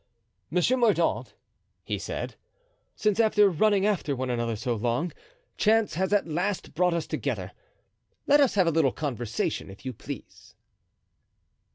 "Monsieur Mordaunt," he said, "since, after running after one another so long, chance has at last brought us together, let us have a little conversation, if you please."